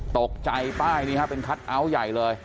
ตกใจป้ายนี้เป็นคัทเอาท์ใหญ่เลย